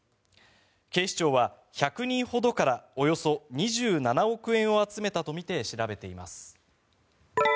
警視庁は１００人ほどからおよそ２７億円を集めたとみて調べています。